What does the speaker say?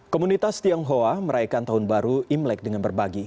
komunitas tionghoa merayakan tahun baru imlek dengan berbagi